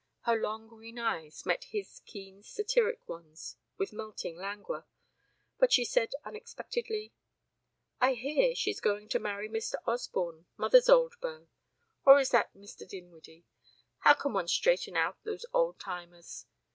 Her long green eyes met his keen satiric ones with melting languor. But she said unexpectedly: "I hear she's going to marry Mr. Osborne, mother's old beau or is that Mr. Dinwiddie? How can one straighten out those old timers?